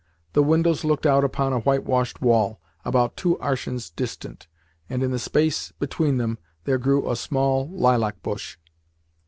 The windows looked out upon a whitewashed wall, about two arshins distant, and in the space between them there grew a small lilac bush.